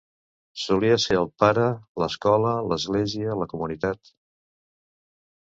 Solia ser el pare, l'escola, l'església, la comunitat.